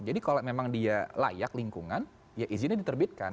jadi kalau memang dia layak lingkungan ya izinnya diterbitkan